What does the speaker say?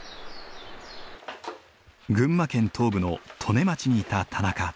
群馬県東部の利根町にいた田中。